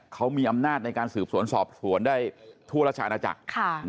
เขามีอำนาจในการสืบสวนสอบสวนได้ทั่วราชอาณาจักร